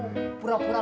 pura pura nggak tahu